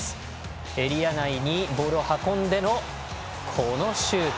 エリア内にボールを運んでのこのシュート。